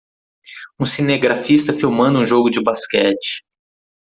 Um cinegrafista filmando um jogo de basquete.